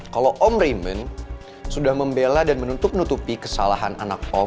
kalau om reman sudah membela dan menutup nutupi kesalahan anak om